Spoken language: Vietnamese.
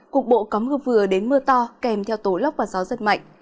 cục bộ có mưa vừa đến mưa to kèm theo tố lốc và gió rất mạnh